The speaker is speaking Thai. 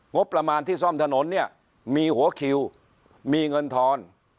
งบประมาณที่ซ่อมถนนเนี่ยมีหัวคิวมีเงินทอน